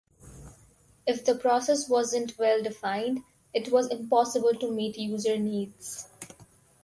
If the process wasn't well defined, it was impossible to meet user needs.